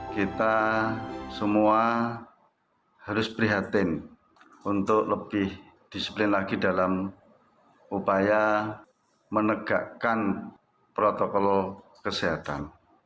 kita semua harus prihatin untuk lebih disiplin lagi dalam upaya menegakkan protokol kesehatan